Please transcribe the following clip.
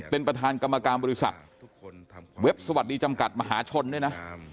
เป็นประธานกรรมการบริษัทเว็บสวัสดีจำกัดมหาชนด้วยนะ